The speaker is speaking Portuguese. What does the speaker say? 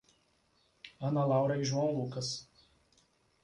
Ana Laura e João Lucas